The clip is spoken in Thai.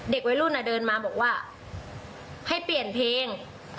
เด็กวินูลนะเดินมาบอกว่าให้เปลี่ยนเพลง